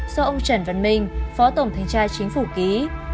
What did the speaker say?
do ông trần văn minh phó tổng thanh tra chính phủ ký